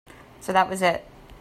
So that was it.